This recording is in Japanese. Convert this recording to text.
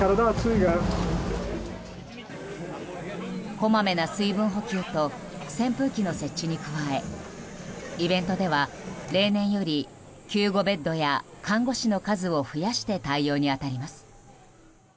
こまめな水分補給と扇風機の設置に加えイベントでは例年より救護ベッドや看護師の数を増やして対応に当たります。